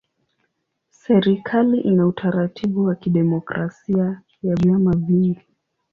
Serikali ina utaratibu wa kidemokrasia ya vyama vingi.